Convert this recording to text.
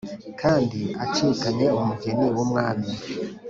kandi acikanye umugeni wumwami"